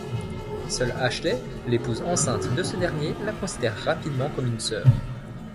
Seule Ashley, l'épouse enceinte de ce dernier, la considère rapidement comme une sœur...